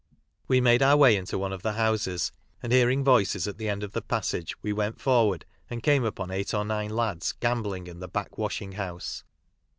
We made our way into one of the houses, and hearing voices at the end of the passage we went forward^ and came upon eight or nine lads gambling in the back washing house.